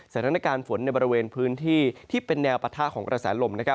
สถานการณ์ฝนในบริเวณพื้นที่ที่เป็นแนวปะทะของกระแสลมนะครับ